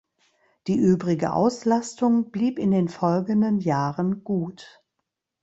Die übrige Auslastung blieb in den folgenden Jahren gut.